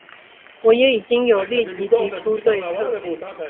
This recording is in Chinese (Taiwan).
我也已經有立即提出對策